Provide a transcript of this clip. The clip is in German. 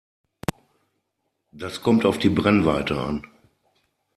Das kommt auf die Brennweite an.